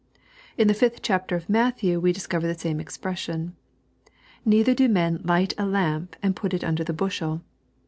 In the fiftb chapter of Matthew we discover the same expression :" Neither do men light a lamp and put it under the bushel."